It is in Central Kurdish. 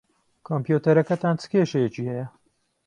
کۆمپیوتەرەکەتان چ کێشەیەکی ھەیە؟